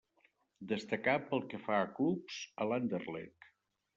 Destacà pel que fa a clubs, a l'Anderlecht.